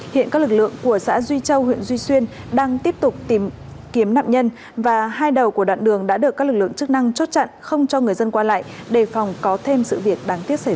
hiện các lực lượng của xã duy châu huyện duy xuyên đang tiếp tục tìm kiếm nạn nhân và hai đầu của đoạn đường đã được các lực lượng chức năng chốt chặn không cho người dân qua lại đề phòng có thêm sự việc đáng tiếc xảy ra